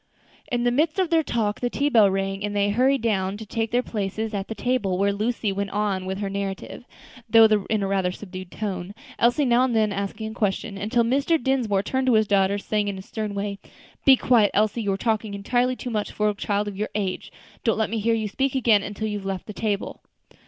In the midst of their talk the tea bell rang, and they hurried down to take their places at the table, where Lucy went on with her narrative, though in a rather subdued tone, Elsie now and then asking a question, until Mr. Dinsmore turned to his daughter, saying, in his stern way, "Be quiet, Elsie; you are talking entirely too much for a child of your age; don't let me hear you speak again until you have left the table."